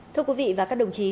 thưa quý vị và các đồng chí